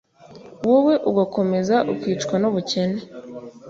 wowe ugakomeza ukicwa n’ubukene